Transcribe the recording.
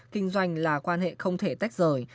kinh doanh là quan hệ không thể tách rời